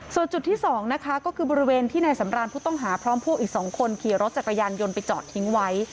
ส่วนจุดที่๒นะคะก็คือบริเวณที่นายสำรานผู้ต้องหาพร้อมพวกอีก๒คนขี่รถจักรยานยนต์ไปจอดทิ้งไว้